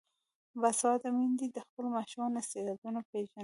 باسواده میندې د خپلو ماشومانو استعدادونه پیژني.